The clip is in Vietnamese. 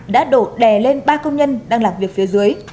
đã đổ đè lên ba công nhân đang làm việc phía dưới